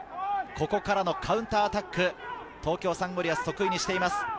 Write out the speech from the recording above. ここからのカウンターアタック、東京サンゴリアス、得意にしています。